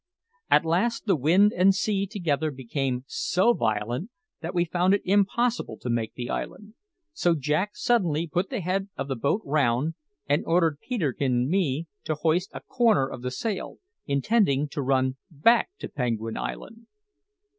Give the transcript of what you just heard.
At last the wind and sea together became so violent that we found it impossible to make the island; so Jack suddenly put the head of the boat round, and ordered Peterkin and me to hoist a corner of the sail, intending to run back to Penguin Island.